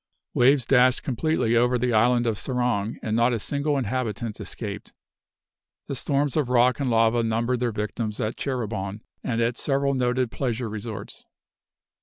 Waves dashed completely over the island of Serang, and not a single inhabitant escaped. The storms of rock and lava numbered their victims at Cheribon, and at several noted pleasure resorts.